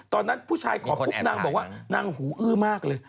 ตอนนั้นผู้ชายขอปุ๊บนางบอกว่านางหูอื้อมากเลย